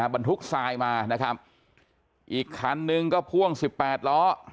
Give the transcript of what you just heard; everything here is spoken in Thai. บรรทุกทรายมานะครับอีกคันนึงก็พ่วง๑๘ล้อ